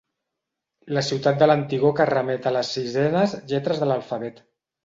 La ciutat de l'antigor que remet a les sisenes lletres de l'alfabet.